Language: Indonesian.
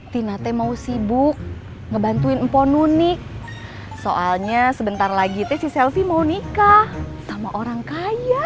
tinate mau sibuk ngebantuin ponuni soalnya sebentar lagi mau nikah sama orang kaya